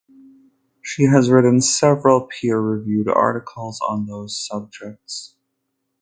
She has written several peer reviewed articles on those subjects.